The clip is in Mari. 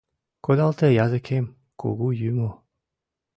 Кудалте языкем, кугу юмо.